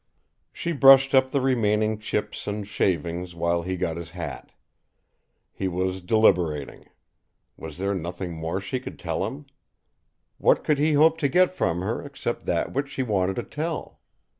She brushed up the remaining chips and shavings while he got his hat. He was deliberating: was there nothing more she could tell him? What could he hope to get from her except that which she wanted to tell?